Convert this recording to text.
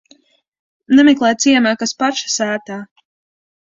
Nemeklē ciemā, kas paša sētā.